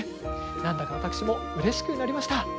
何だか私もうれしくなりました。